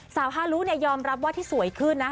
ฮารุยอมรับว่าที่สวยขึ้นนะ